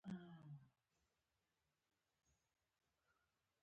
د کرنې لپاره د ځمکې مناسب مدیریت اړین دی.